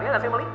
ya gak sih emily